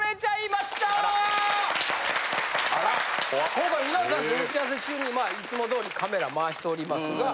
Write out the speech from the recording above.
今回皆さんと打合せ中にまあいつも通りカメラ回しておりますが。